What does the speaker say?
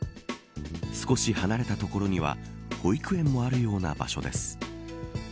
少し離れた所には保育もあるような場所です。